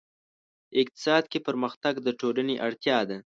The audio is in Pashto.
اقتصاد کې پرمختګ د ټولنې اړتیا ده.